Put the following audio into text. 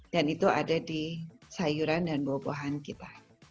dan itu ada di sayuran dan buah buahan kita